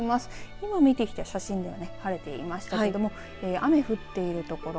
今見てきた写真では晴れていましたが雨、降っているところ。